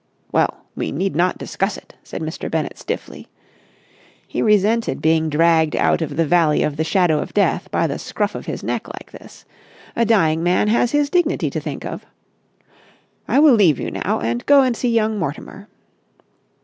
"Well, we need not discuss it," said Mr. Bennett stiffly. He resented being dragged out of the valley of the shadow of death by the scruff of his neck like this. A dying man has his dignity to think of. "I will leave you now, and go and see young Mortimer."